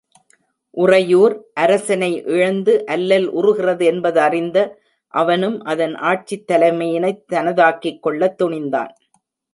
உறையூர், அரசனை இழந்து அல்லல் உறுகிறது என்பதறிந்த அவனும், அதன் ஆட்சித் தலைமையினைத் தனதாக்கிக் கொள்ளத் துணிந்தான்.